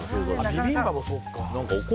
ビビンバもそうか。